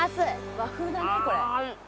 「和風だねこれ」